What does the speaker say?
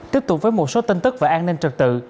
tiếp tục với một số tin tức về an ninh trật tự